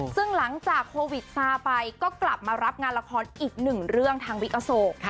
ซึ่งหลังจากโควิดซาไปก็กลับมารับงานละครอีกหนึ่งเรื่องทางวิกอโศก